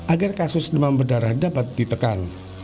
agar kasus demam berdarah dapat ditekan